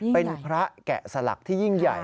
เป็นพระแกะสลักที่ยิ่งใหญ่